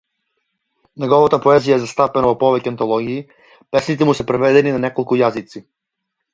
Неговата поезија е застапена во повеќе антологии, песните му се преведени на неколку јазици.